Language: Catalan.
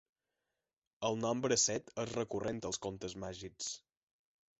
El nombre set és recurrent als contes màgics.